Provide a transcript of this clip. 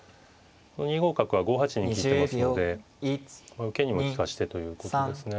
２五角は５八に利いてますので受けにも利かしてということですね。